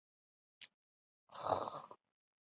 在今天他被视作经济自由主义的早期倡导者之一。